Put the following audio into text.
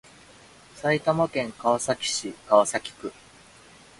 埼玉県川崎市川崎区